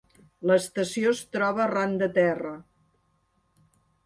L'estació es troba arran de terra.